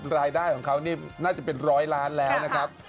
รายได้ของเขานี่น่าจะเป็นร้อยล้านแล้วนะครับ